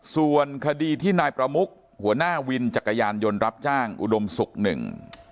ส่วนคดีที่นายประมุกหัวหน้าวินจักรยานยนต์รับจ้างอุดมศุกร์หนึ่ง